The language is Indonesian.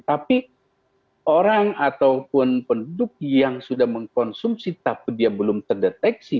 tapi orang ataupun penduduk yang sudah mengkonsumsi tapi dia belum terdeteksi